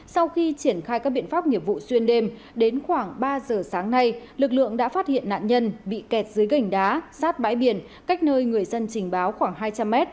sau khi triển khai các biện pháp nghiệp vụ xuyên đêm đến khoảng ba giờ sáng nay lực lượng đã phát hiện nạn nhân bị kẹt dưới gành đá sát bãi biển cách nơi người dân trình báo khoảng hai trăm linh m